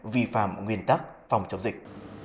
vi phạm nguyên tắc phòng chống dịch